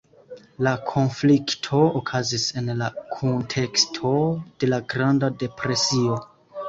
La konflikto okazis en la kunteksto de la Granda Depresio.